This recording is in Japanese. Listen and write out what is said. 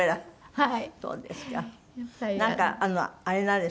はい。